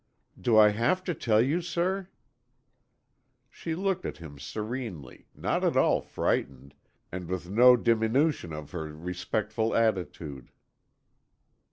"Do I have to tell you, sir?" She looked at him serenely, not at all frightened, and with no diminution of her respectful attitude.